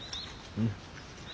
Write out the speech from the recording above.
うん。